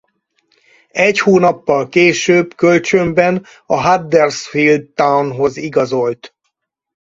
Egy hónappal később kölcsönben a Huddersfield Townhoz igazolt.